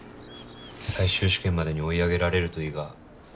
最終試験までに追い上げられるといいが。